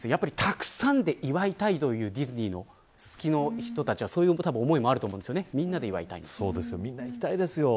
たくさんで祝いたいというディズニーの好きな人たちはそういう思いもみんな行きたいですよ。